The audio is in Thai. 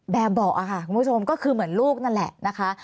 แบบบอกค่ะคุณผู้ชมก็คือเหมือนลูกนั่นแหละนะคะ